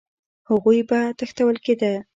هغوی به تښتول کېده